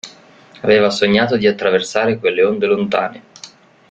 Aveva sognato di attraversare quelle onde lontane.